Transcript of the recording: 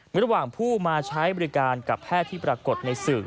ระหว่างผู้มาใช้บริการกับแพทย์ที่ปรากฏในสื่อ